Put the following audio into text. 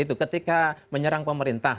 itu ketika menyerang pemerintah